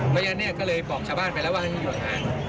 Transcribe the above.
ไว้อาแกนี่ก็เลยบอกชาวบ้านไปแล้วว่าต้องอยู่หา